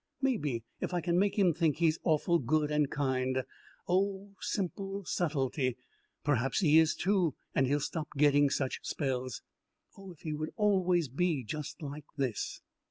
Maybe if I can make him think he's awful good and kind" oh, simple subtlety "believe he is, too, and he'll stop getting such spells. Oh, if he would always be just like this!"